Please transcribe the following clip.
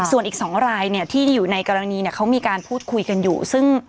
ส่วนอีก๒รายเนี่ยที่อยู่ในกรณีเนี่ยเขามีการพูดคุยกันอยู่ซึ่ง